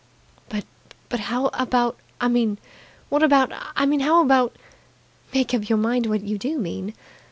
"But But how about I mean, what about I mean how about ?" "Make up your mind what you do mean."